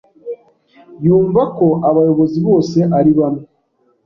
yumva ko abayobozi bose ari bamwe